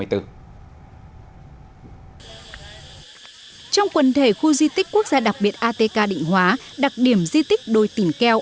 trong quần thể khu di tích quốc gia đặc biệt atk định hóa đặc điểm di tích đồi tỉnh keo